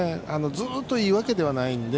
ずっといいわけではないので。